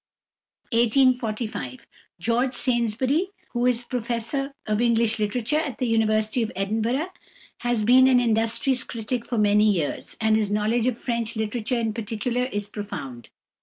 =George Saintsbury (1845 )=, who is Professor of English Literature at the University of Edinburgh, has been an industrious critic for many years, and his knowledge of French literature in particular is profound.